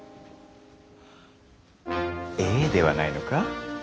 「エー」ではないのか？